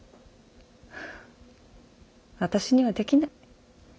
私にはできない。